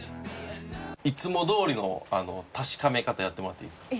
いつもどおりの確かめ方やってもらっていいですか？